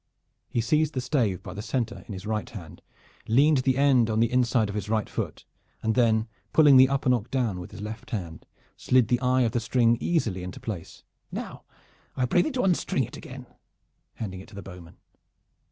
He seized the stave by the center in his right hand, leaned the end on the inside of his right foot, and then, pulling the upper nock down with the left hand, slid the eye of the string easily into place. "Now I pray thee to unstring it again," handing it to the bowman.